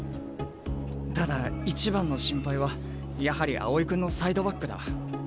ただ一番の心配はやはり青井君のサイドバックだ。